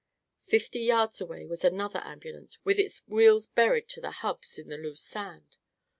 Fifty yards away was another ambulance with its wheels buried to the hubs in the loose sand.